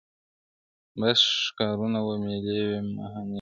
• بس ښکارونه وه مېلې وې مهمانۍ وې -